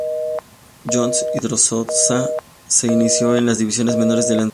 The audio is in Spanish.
John Hinostroza se inició en las divisiones menores de Alianza Lima.